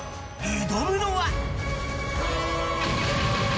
挑むのは。